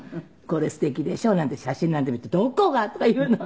「これすてきでしょ？」なんて写真なんて見て「どこが？」とか言うの。